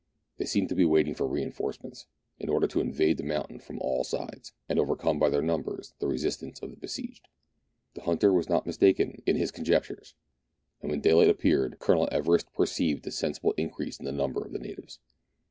They seemed to be waiting for reinforcements, in order to invade the mountain from all sides, and overcome by their numbers the resistance of the besieged. The hunter was not mistaken in his conjectures ; and when daylight appeared Colonel Everest perceived a 190 ' MERIDIANA; THE ADVENTURES OF sensible increase in the number of the natives.